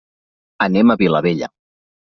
Anem a Vilabella.